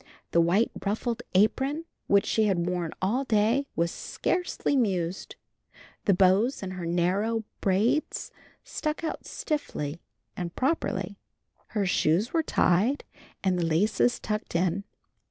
The white ruffled apron which she had worn all day was scarcely mussed. The bows on her narrow braids stuck out stiffly and properly. Her shoes were tied and the laces tucked in.